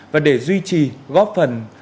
và để duy trì góp phần